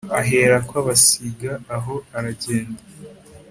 aherako abasiga aho aragenda